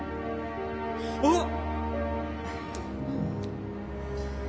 あっ！